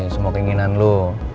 semua keinginan lo